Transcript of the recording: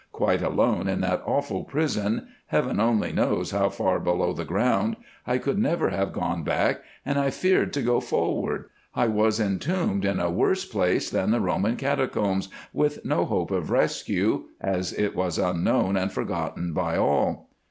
Quite alone in that awful prison, heaven only knows how far below the ground, I could never have gone back, and I feared to go forward. I was entombed in a worse place than the Roman Catacombs, with no hope of rescue, as it was unknown and forgotten by all."